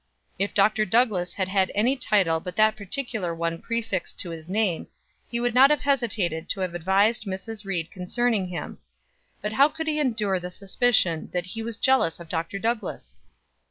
If Dr. Douglass had had any title but that particular one prefixed to his name, he would not have hesitated to have advised Mrs. Ried concerning him; but how could he endure the suspicion that he was jealous of Dr. Douglass?